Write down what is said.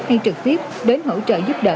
hay trực tiếp đến hỗ trợ giúp đỡ